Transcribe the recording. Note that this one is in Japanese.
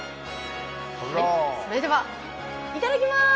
それではいただきます。